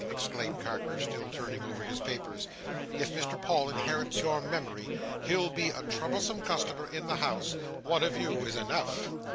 exclaimed Carker, still turning over his papers. "If Mr Paul inherits your memory, he'll be a troublesome customer in the House. One of you is enough."